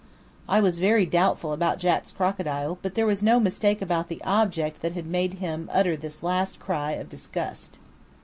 I was very doubtful about Jack's crocodile, but there was no mistake about the object that had made him utter this last cry of disgust.